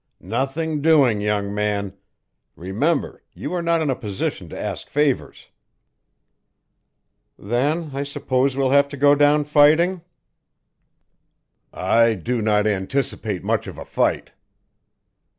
"Nothing doing, young man. Remember, you are not in a position to ask favours." "Then I suppose we'll have to go down fighting?" "I do not anticipate much of a fight."